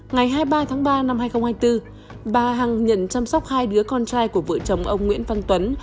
ngày hai mươi ba tháng ba năm hai nghìn hai mươi bốn bà hằng nhận chăm sóc hai đứa con trai của vợ chồng ông nguyễn văn tuấn